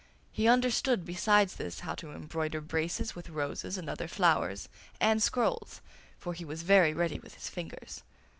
He understood, besides this, how to embroider braces with roses and other flowers, and scrolls, for he was very ready with his fingers.